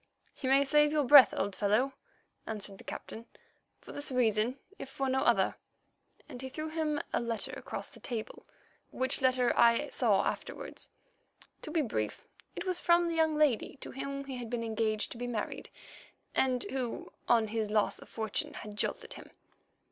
"You may save your breath, old fellow," answered the Captain, "for this reason if for no other," and he threw him a letter across the table, which letter I saw afterwards. To be brief, it was from the young lady to whom he had been engaged to be married, and who on his loss of fortune had jilted him.